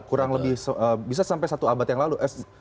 kurang lebih bisa sampai satu abad yang lalu